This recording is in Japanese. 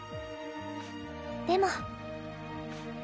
でも